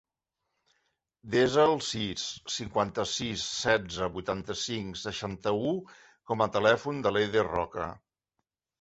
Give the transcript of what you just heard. Desa el sis, cinquanta-sis, setze, vuitanta-cinc, seixanta-u com a telèfon de l'Eider Roca.